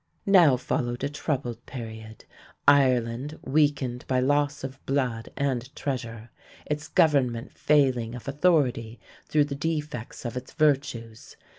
Now followed a troubled period, Ireland weakened by loss of blood and treasure, its government failing of authority through the defects of its virtues.